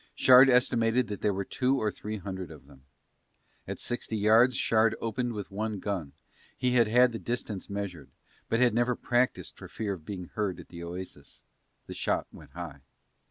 Shard estimated that there were two or three hundred of them. At sixty yards Shard opened with one gun, he had had the distance measured, but had never practised for fear of being heard at the oasis: the shot went high.